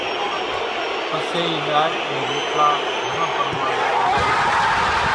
پسي اِي ڏارِ انين روٽلا گھران پرماڻي ويراوي ڄي سي،